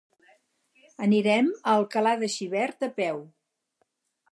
Anirem a Alcalà de Xivert a peu.